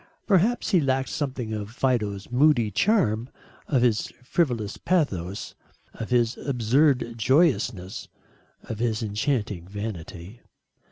Perhaps he lacked something of Fido's moody charm, of his frivolous pathos, of his absurd joyousness, of his enchanting vanity.